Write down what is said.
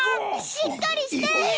しっかりして！